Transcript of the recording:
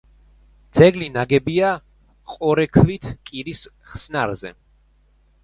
ძეგლი ნაგებია ყორექვით კირის ხსნარზე.